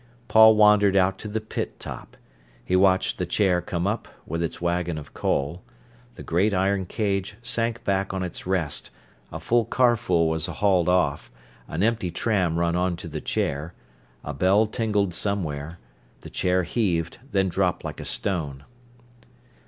Paul wandered out to the pit top. He watched the chair come up, with its wagon of coal. The great iron cage sank back on its rest, a full carfle was hauled off, an empty tram run on to the chair, a bell ting'ed somewhere, the chair heaved, then dropped like a stone.